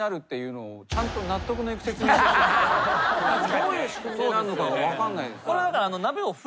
どういう仕組みなのかが分かんないです。